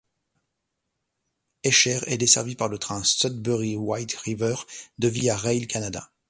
Esher est desservie par le train Sudbury-White River de Via Rail Canada.